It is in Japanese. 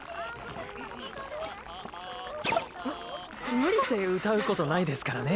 む無理して歌うことないですからね。